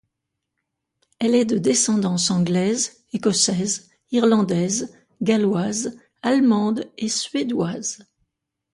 Elle est de descendance anglaise, écossaise, irlandaise, galloise, allemande et suédoise.